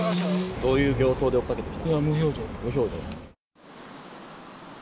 どういう形相で追っかけてきた？